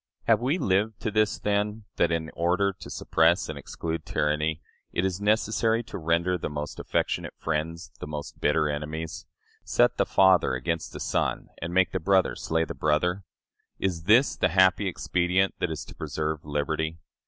Have we lived to this, then, that, in order to suppress and exclude tyranny, it is necessary to render the most affectionate friends the most bitter enemies, set the father against the son, and make the brother slay the brother? Is this the happy expedient that is to preserve liberty?